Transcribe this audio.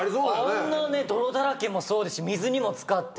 あんなね泥だらけもそうですし水にもつかって。